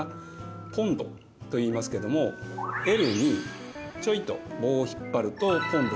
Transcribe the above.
ポンドといいますけども「Ｌ」にちょいと棒を引っ張るとポンドの記号なんですね。